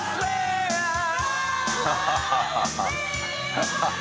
ハハハハハ！